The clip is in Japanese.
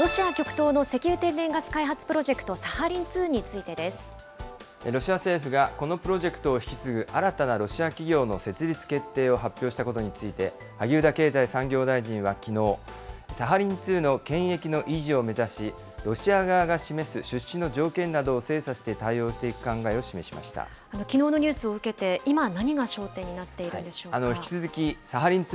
ロシア極東の石油・天然ガス開発プロジェクト、サハリン２についロシア政府がこのプロジェクトを引き継ぐ新たなロシア企業の設立決定を発表したことについて、萩生田経済産業大臣はきのう、サハリン２の権益の維持を目指し、ロシア側が示す出資の条件などを精査して対応していく考えを示しきのうのニュースを受けて、今何が焦点になっているんでしょうか。